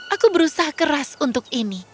aku berusaha keras untuk ini